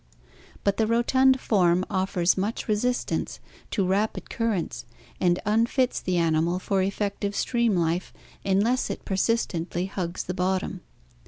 But the rotund form offers much resistance to rapid currents and unfits the animal for effective stream life unless it persistently hugs the bot tom.